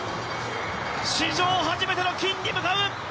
史上初めての金に向かう！